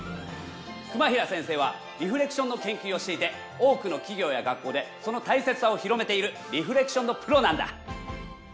熊平先生はリフレクションの研究をしていて多くの企業や学校でその大切さを広めているリフレクションのプロなんだ。